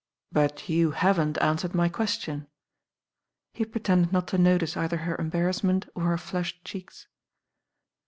"But you haven't answered my question." He pretended not to notice either her embarrassment or her Hushed cheeks.